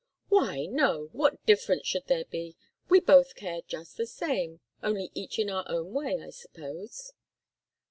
"Why, no! What difference should there be? We both care just the same only each in our own way, I suppose."